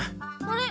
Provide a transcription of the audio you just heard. あれ？